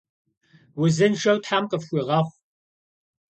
Vuzınşşeu them khıfxuiğexhu!